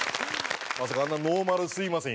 まさかあんなノーマル「すみません」